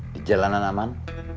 di jalanan aman